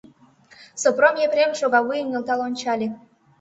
Сопром Епрем шогавуйым нӧлтал ончале.